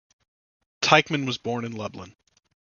Teichmann was born in Lublin.